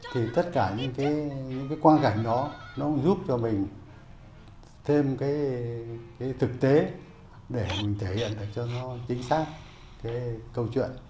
thì tất cả những cái quan cảnh đó nó cũng giúp cho mình thêm cái thực tế để mình thể hiện được cho nó chính xác cái câu chuyện